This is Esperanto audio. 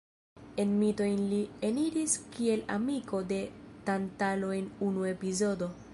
En mitojn li eniris kiel amiko de Tantalo en unu epizodo.